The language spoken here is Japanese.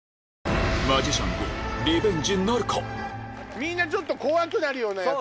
みんなちょっと怖くなるようなやつ。